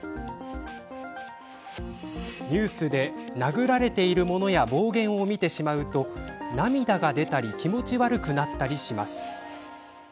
ニュースで殴られているものや暴言を見てしまうと涙が出たり気持ち悪くなったりします。